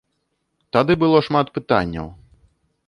Тады было шмат пытанняў.